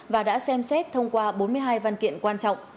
và đã xem xét thông qua bốn mươi hai văn kiện quan trọng